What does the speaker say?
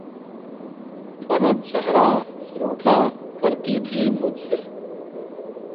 بنت صحرا روٹھا کرتی تھی مجھ سے